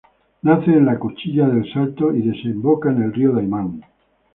Nace en la Cuchilla de Salto y desemboca en el río Daymán.